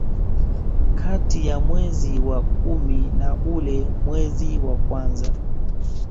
Kati ya mwezi wa kumi na ule mwezi wa kwanza